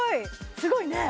すごいね！